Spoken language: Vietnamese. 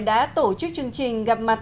đã tổ chức chương trình gặp mặt